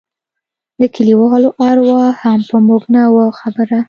د کليوالو اروا هم په موږ نه وه خبره.